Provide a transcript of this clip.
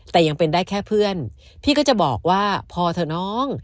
แต่ยังเป็นได้แค่เพื่อนพี่ก็จะบอกว่าพอเถอะน้อง